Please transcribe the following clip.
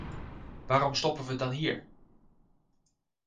Waarom stoppen we dan hier?